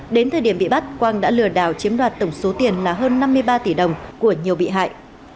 đến thời điểm bị bắt quang đã lừa đảo chiếm đoạt tổng số tiền là hơn năm mươi ba tỷ đồng của nhiều bị hại